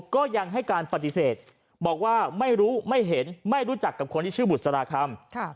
ก็ยังให้การปฏิเสธบอกว่าไม่รู้ไม่เห็นไม่รู้จักกับคนที่ชื่อบุษราคำ